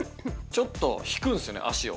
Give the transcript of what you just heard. ちょっと引くんですよね、足を。